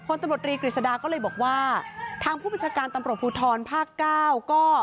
ตำรวจรีกฤษดาก็เลยบอกว่าทางผู้บัญชาการตำรวจภูทรภาคเก้าก็